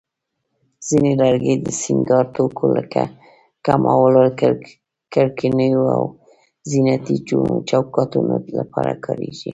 ځینې لرګي د سینګار توکو لکه کملو، کړکینو، او زینتي چوکاټونو لپاره کارېږي.